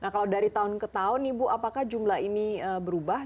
nah kalau dari tahun ke tahun nih bu apakah jumlah ini berubah